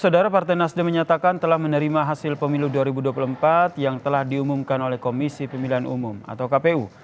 saudara partai nasdem menyatakan telah menerima hasil pemilu dua ribu dua puluh empat yang telah diumumkan oleh komisi pemilihan umum atau kpu